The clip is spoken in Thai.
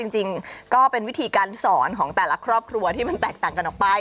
จริงก็เป็นวิธีการสอนของแต่ละครอบครัวที่มันแตกต่างกันออกไป